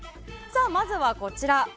まずはこちら。